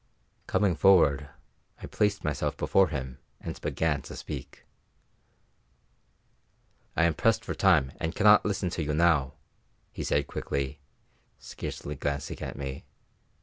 Coming forward, I placed myself before him and began to speak. "I am pressed for time and cannot listen to you now," he said quickly, scarcely glancing at me.